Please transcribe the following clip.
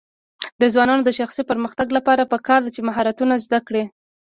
د ځوانانو د شخصي پرمختګ لپاره پکار ده چې مهارتونه زده کړي.